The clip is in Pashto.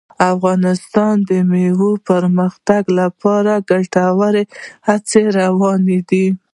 افغانستان کې د مېوو د پرمختګ لپاره ګټورې هڅې روانې دي.